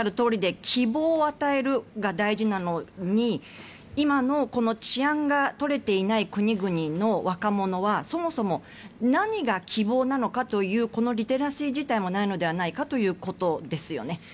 希望を与えることが大事なのに今の治安がとれていない国々の若者はそもそも何が希望なのかというリテラシー自体もないのではないかということですよね。